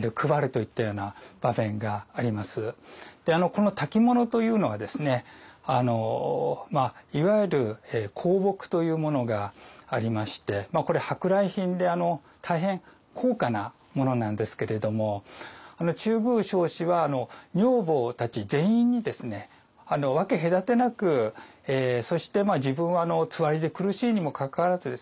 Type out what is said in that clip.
この薫物というのがですねいわゆる香木というものがありましてこれ舶来品で大変高価なものなんですけれども中宮彰子は女房たち全員に分け隔てなくそして自分はつわりで苦しいにもかかわらずですね